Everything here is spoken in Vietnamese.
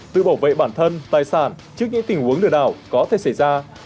tự bảo vệ bản thân tài sản trước những tình huống lừa đảo có thể xảy ra